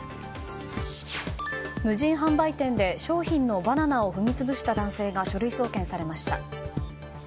無人販売店で商品のバナナを踏み潰した男性が書類送検されました。